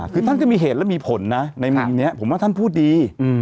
คือท่านก็มีเหตุและมีผลนะในมุมนี้ผมว่าท่านพูดดี